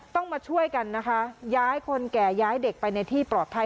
ต้องมาช่วยกันนะคะย้ายคนแก่ย้ายเด็กไปในที่ปลอดภัย